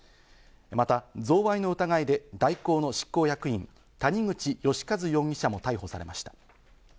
また贈賄の疑いで大広の執行役員・谷口義一容疑者も逮捕されました。